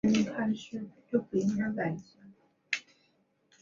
皆不赴。